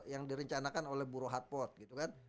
yang direncanakan oleh burohapot gitu kan